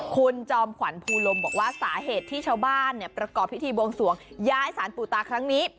คุณจอมขวัญภูลมบอกว่าสาเหตุที่ชาวบ้านประกอบพิธีบวงสวงย้ายสารปูตาครั้งนี้